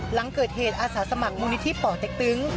หลังเกิดเหตุอาสาสมัครมูลนิธิป่อเต็กตึง